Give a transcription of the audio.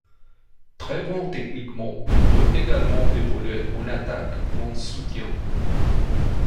Très bon techniquement, il peut également évoluer en attaque ou en soutien.